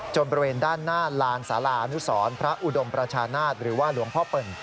บริเวณด้านหน้าลานสาราอนุสรพระอุดมประชานาศหรือว่าหลวงพ่อเปิ่น